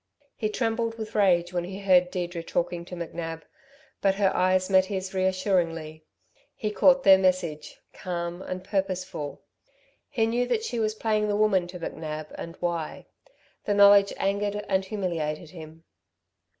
He trembled with rage when he heard Deirdre talking to McNab; but her eyes met his reassuringly. He caught their message, calm and purposeful. He knew that she was playing the woman to McNab, and why. The knowledge angered and humiliated him.